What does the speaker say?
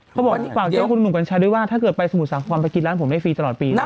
เขาบอกฝากเจ๊คุณหนุ่มกัญชัยด้วยว่าถ้าเกิดไปสมุทรสาครไปกินร้านผมได้ฟรีตลอดปีนะ